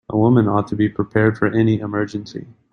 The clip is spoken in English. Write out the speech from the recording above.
A woman ought to be prepared for any emergency.